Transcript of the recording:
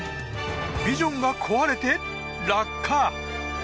ビジョンが壊れて、落下。